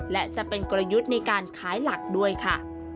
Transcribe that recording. และจะเป็นกลยุทธ์ในการขายหลักด้วยค่ะ